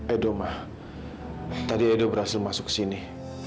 edo mah tadi edo berhasil masuk ke sini